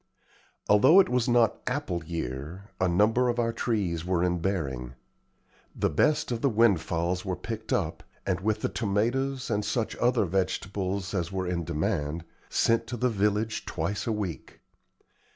Although it was not "apple year," a number of our trees were in bearing. The best of the windfalls were picked up, and, with the tomatoes and such other vegetables as were in demand, sent to the village twice a week.